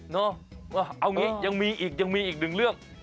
เนาะเอางี้ยังมีอีกยังมีอีกหนึ่งเรื่อง